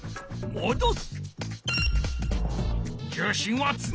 もどす！